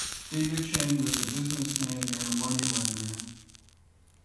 Devi Chand was a businessman and money lender.